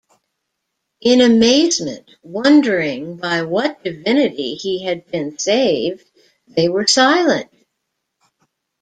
In amazement, wondering by what divinity he had been saved, they were silent.